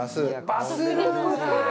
バスルームかあ。